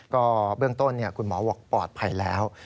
ก็เบื้องต้นคุณหมอบอกปลอดภัยแล้ว